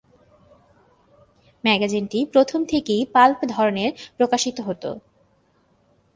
ম্যাগাজিনটি প্রথম থেকেই পাল্প ধরনে প্রকাশিত হত।